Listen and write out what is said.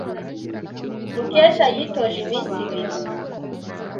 Mukesha yitoje iminsi ibiri.